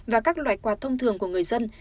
và các loại quạt thông thường của người dân